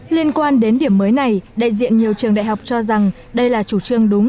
liên quan đến điểm mới này đại diện nhiều trường đại học cho rằng đây là chủ trương đúng